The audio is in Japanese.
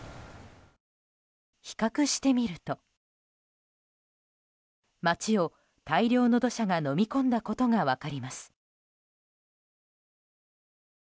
比較してみると街を大量の土砂がのみ込んだことが分かります。